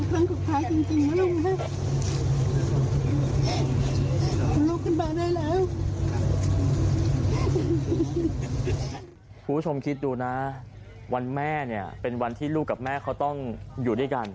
คุณผู้ชมคิดดูนะวันแม่เนี่ยเป็นวันที่ลูกกับแม่เขาต้องอยู่ด้วยกัน